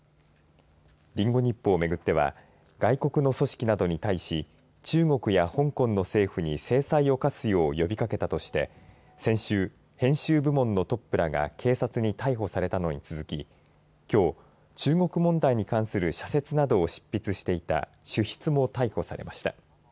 リンゴ日報をめぐっては外国の組織などに対し中国や香港の政府に制裁を科すよう呼びかけたとして先週、編集部門のトップらが警察に逮捕されたのに続ききょう中国問題に関する社説なども執筆していた主筆も逮捕されました。